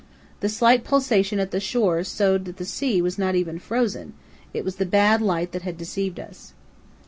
The slight pulsation at the shore showed that the sea was not even frozen; it was the bad light that had deceived us.